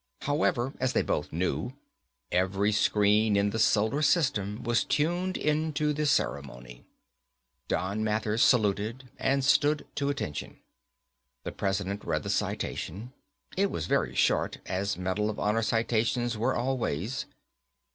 However, as they both knew, every screen in the Solar System was tuned into the ceremony. Don Mathers saluted and stood to attention. The President read the citation. It was very short, as Medal of Honor citations were always.